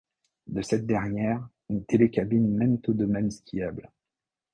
De cette dernière, une télécabine mène au domaine skiable.